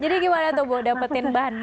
jadi gimana itu bu dapetin bahan